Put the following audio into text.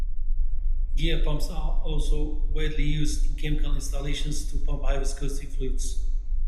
Gear pumps are also widely used in chemical installations to pump high viscosity fluids.